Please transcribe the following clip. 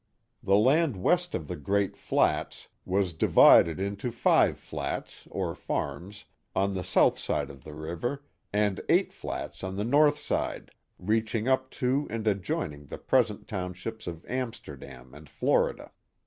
The land west of the " great flats" was divided into five 54 The Mohawk Valley flats, or farms, on the south side of the river, and eight flats on the north side, reaching up to and adjoining the present townships of Amsterdam and Florida.